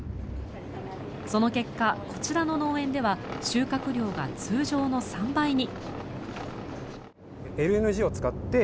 その結果、こちらの農園では収穫量が通常の３倍に。